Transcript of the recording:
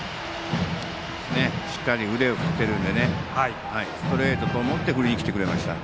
しっかり腕を振っているのでストレートと思って振りに来てくれましたね。